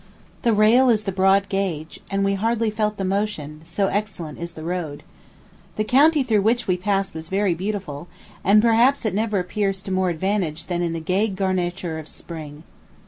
The rail is the broad gage; and we hardly felt the motion, so excellent is the road. The country through which we passed was very beautiful, and perhaps it never appears to more advantage than in the gay garniture of spring.